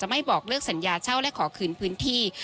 ไม่บอกเลิกสัญญาเช่าและขอคืนพื้นที่